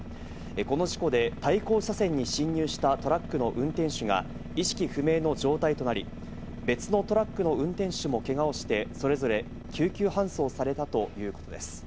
この事故で対向車線に進入したトラックの運転手が意識不明の状態となり、別のトラックの運転手もけがをして、それぞれ救急搬送されたということです。